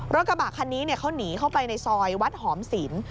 รถกระบะคันนี้เขาหนีเข้าไปในซอยวัดหอมศิลป์